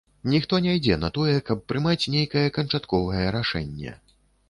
Ніхто не ідзе на тое, каб прымаць нейкае канчатковае рашэнне.